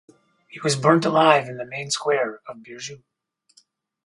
He was burnt alive in the main square of Birgu.